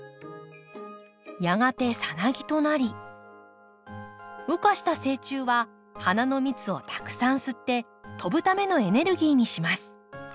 やがてさなぎとなり羽化した成虫は花の蜜をたくさん吸って飛ぶためのエネルギーにします。